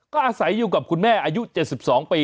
ก็อาศัยอยู่กับคุณแม่อายุ๗๒ปี